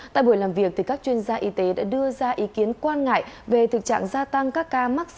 tại buổi làm việc các chuyên gia y tế đã đưa ra ý kiến quan ngại về thực trạng gia tăng các ca mắc